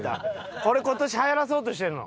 これ今年はやらそうとしてるの。